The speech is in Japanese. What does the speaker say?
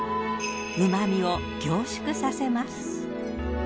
旨みを凝縮させます。